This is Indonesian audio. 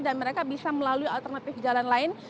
dan mereka bisa melalui alternatif jalan lain